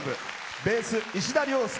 ベース、石田良典。